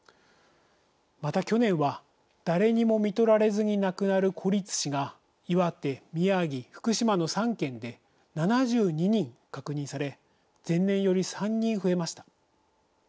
また去年は、誰にもみとられずに亡くなる孤立死が岩手、宮城、福島の３県で７２人確認され前年より３人増えました。